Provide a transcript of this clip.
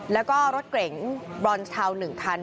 แล้วก็รถเก๋งบรอนสเทา๑คัน